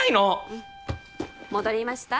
うん戻りました？